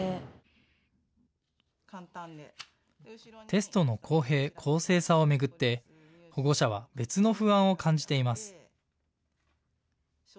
テストの公平・公正さを巡って保護者は別の不安を感じています。